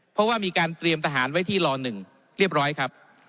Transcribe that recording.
เพราะว่ามีการเตรียมทหารไว้ที่ล๑เรียบร้อยครับ